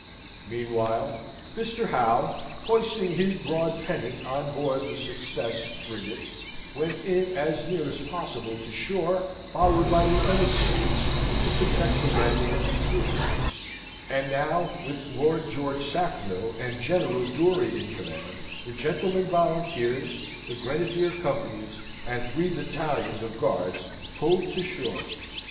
Meanwhile, Mr. Howe, hoisting his broad pennant on board the Success frigate, went in as near as possible to shore, followed by the other frigates, to protect the landing of the troops; and, now, with Lord George Sackville and General Dury in command, the gentlemen volunteers, the grenadier companies, and three battalions of guards pulled to shore.